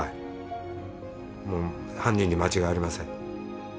もう犯人に間違いありません。